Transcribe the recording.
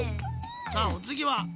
さあおつぎはミチ。